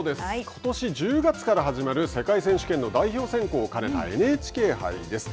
ことし１０月から始まる世界選手権の代表選考を兼ねたＮＨＫ杯です。